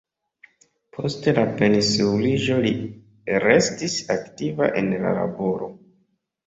Post la pensiuliĝo li restis aktiva en la laboro.